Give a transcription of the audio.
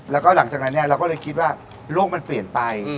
แล้วก็หลังจากนั้นเราก็เลยคิดว่าโลกมันเปลี่ยนไป